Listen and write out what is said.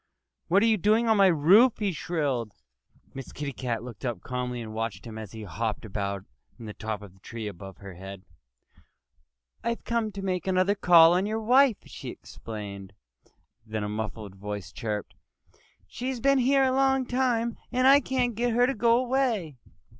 "What are you doing on my roof?" he shrilled. Miss Kitty Cat looked up calmly and watched him as he hopped about in the top of the tree above her head. [Illustration: Miss Kitty Cat Looked Calmly at Rusty Wren.] "I've come to make another call on your wife," she explained. Then a muffled voice chirped, "She's been here a long time and I can't get her to go away."